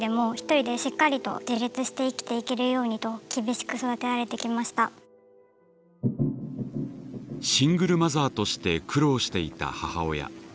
その苦手なのはん多分シングルマザーとして苦労していた母親。